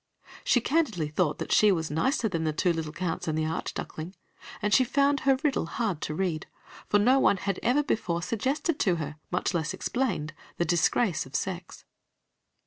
She candidly thought that she was nicer than the two little counts and the archduckling, and she found her riddle hard to read, for no one had ever before suggested to her, much less explained, the disgrace of sex.